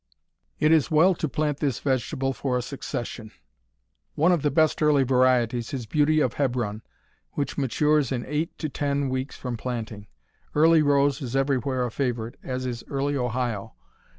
It is well to plant this vegetable for a succession. One of the best early varieties is Beauty of Hebron, which matures in eight to ten weeks from planting. Early Rose is everywhere a favorite, as is Early Ohio.